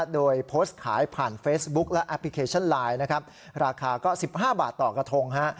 โดยโพสต์ขายผ่านเฟซบุ๊คและแอปพลิเคชันไลน์นะครับราคาก็๑๕บาทต่อกระทง